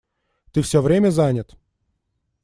Ты всё время занят.